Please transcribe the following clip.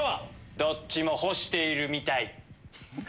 どっちも干しているみたい。